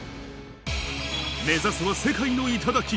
目指すは世界の頂。